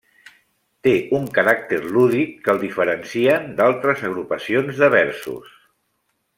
Té un caràcter lúdic que el diferencien d'altres agrupacions de versos.